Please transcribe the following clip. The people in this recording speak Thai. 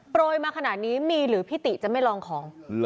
โรยมาขนาดนี้มีหรือพี่ติจะไม่ลองของ